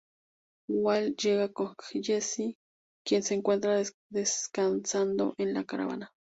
Walt llega con Jesse, quien se encuentra descansando en la caravana.